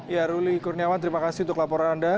ya ruli kurniawan terima kasih untuk laporan anda